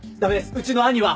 うちの兄は。